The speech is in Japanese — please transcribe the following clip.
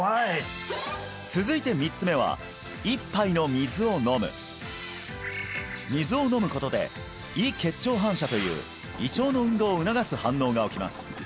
続いて３つ目は１杯の水を飲む水を飲むことで胃・結腸反射という胃腸の運動を促す反応が起きます